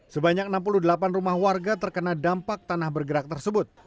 sebanyak enam puluh delapan rumah warga terkena dampak tanah bergerak tersebut